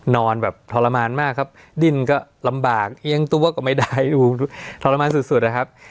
นอนแบบทรมานมากครับดิ้นก็ลำบากเอียงตัวก็ไม่ได้อยู่ทรมานสุดนะครับ